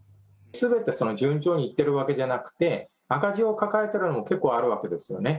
すべて順調にいってるわけではなくて、赤字を抱えているのも結構あるわけですよね。